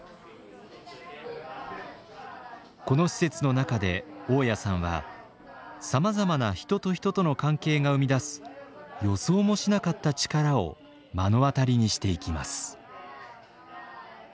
この施設の中で雄谷さんはさまざまな人と人との関係が生み出す予想もしなかった力を目の当たりにしていきます。